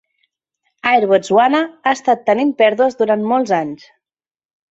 Air Botswana ha estat tenint pèrdues durant molts anys.